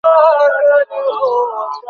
এটি আকাশী রঙের বানাও।